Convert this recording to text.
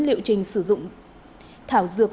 liệu trình sử dụng thảo dược